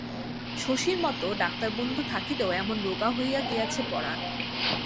শশীর মতো ডাক্তারবন্ধু থাকিতেও এমন রোগা হইয়া গিয়াছে পরান?